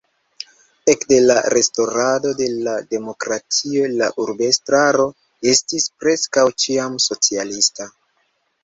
Ekde la restaŭrado de la demokratio la urbestraro estis preskaŭ ĉiam socialista.